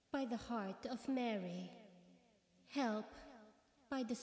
by the heart of Mary! Help!